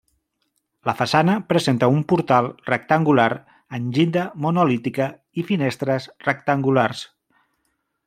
La façana presenta un portal rectangular amb llinda monolítica i finestres rectangulars.